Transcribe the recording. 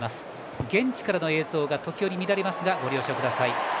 現地からの映像が時折乱れますがご了承ください。